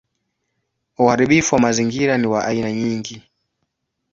Uharibifu wa mazingira ni wa aina nyingi.